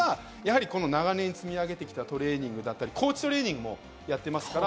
長年積み上げてきたトレーニングだったり、高地トレーニングもやってますから。